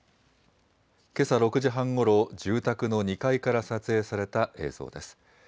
けさ６時半ごろ、住宅の２階から撮影された映像です。